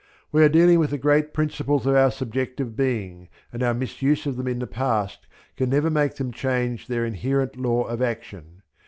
We are dealing with the great principles of our subjective being, and our misuse of them in the past can never make them change their inherent law of action.